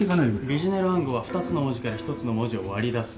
ヴィジュネル暗号は２つの文字から１つの文字を割り出す。